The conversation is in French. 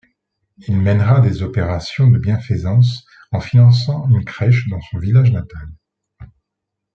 Il mènera des opérations de bienfaisance en finançant une crèche dans son village natal.